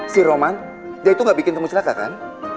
si roman dia itu gak bikin temu celaka kan